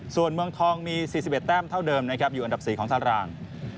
ส่วนเมืองทองมี๔๑แต้มเท่าเดิมนะครับอยู่อันดับ๔ของธาราน